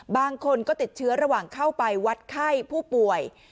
บางคนก็ติดเชื้อระหว่างเข้าไปวัดไข้ผู้ป่วย